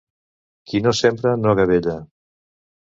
Qui no sembra no agavella.